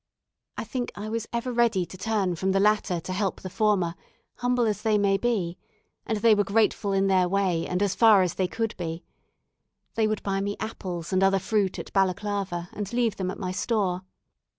I think I was ever ready to turn from the latter to help the former, humble as they might be; and they were grateful in their way, and as far as they could be. They would buy me apples and other fruit at Balaclava, and leave them at my store.